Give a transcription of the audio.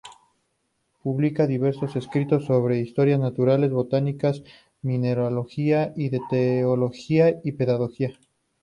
Publica diversos escritos sobre Historia Natural, Botánica, Mineralogía, y de Teología y Pedagogía.